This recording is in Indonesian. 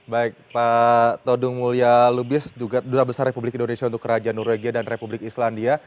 baik pak todung mulya lubis juga duta besar republik indonesia untuk kerajaan norwegia dan republik islandia